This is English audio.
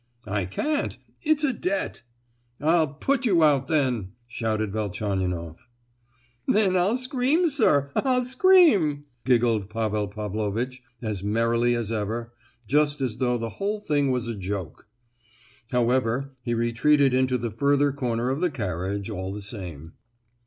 "I can't. It's a debt——" "I'll pull you out, then!" shouted Velchaninoff. "Then I'll scream, sir, I'll scream!" giggled Pavel Pavlovitch, as merrily as ever, just as though the whole thing was a joke. However, he retreated into the further corner of the carriage, all the same.